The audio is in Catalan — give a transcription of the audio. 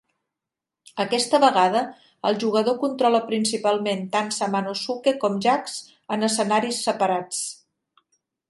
Aquesta vegada, el jugador controla principalment tant Samanosuke com Jacques en escenaris separats.